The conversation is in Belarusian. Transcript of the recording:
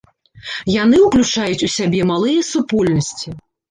Яны ўключаюць у сябе малыя супольнасці.